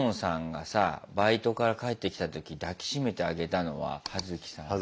がさバイトから帰ってきた時抱き締めてあげたのはハヅキさん。